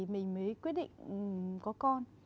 mình mới quyết định có con